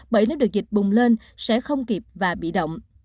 bởi nếu được dịch bùng lên sẽ không kịp và bị động